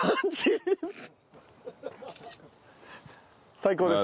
最高です。